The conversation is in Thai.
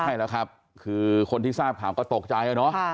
ใช่แล้วครับคือคนที่ทราบข่าวก็ตกใจเนอะ